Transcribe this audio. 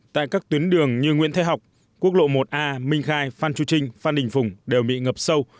tại các tuyến đường như nguyễn thái học quốc lộ một a minh khai phan chu trinh phan đình phùng đều bị ngập sâu